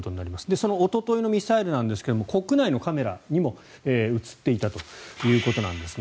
そのおとといのミサイルなんですが国内のカメラにも映っていたということなんですね。